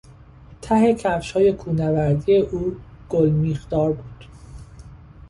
ته کفشهای کوهنوردی او گلمیخدار بودند.